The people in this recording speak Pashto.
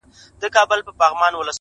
زموږ وطن كي اور بل دی.